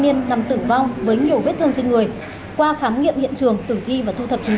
niên nằm tử vong với nhiều vết thương trên người qua khám nghiệm hiện trường tử thi và thu thập chứng